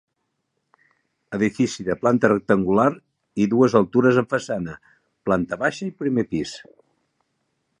Edifici de planta rectangular i dues altures en façana, planta baixa i primer pis.